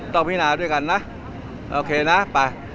ต้องพินาด้วยกันนะโอเคนะป่ะ